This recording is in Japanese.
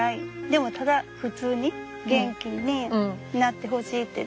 でもただ普通に元気になってほしいって。